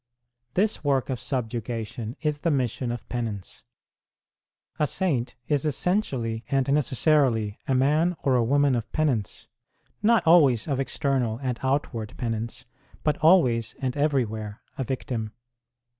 This work of subjugation is the mission of penance. A saint is essentially and necessarily a man or a woman of penance, not always of external and outward penance, but always and everywhere a victim.